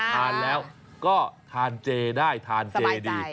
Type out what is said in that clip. หาแล้วก็ทานเจทายทานเจดี